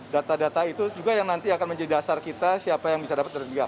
data data itu juga yang nanti akan menjadi dasar kita siapa yang bisa dapat dari pihak